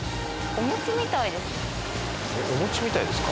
お餅みたいですか？